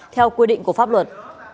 theo quy định của pháp luật